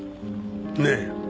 ねえ